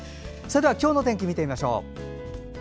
今日の天気を見てみましょう。